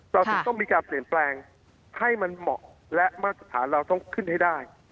เราจึงต้องมีการเปลี่ยนแปลงให้มันเหมาะและมาตรฐานเราต้องขึ้นให้ได้